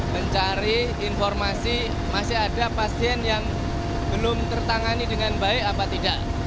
mencari informasi masih ada pasien yang belum tertangani dengan baik apa tidak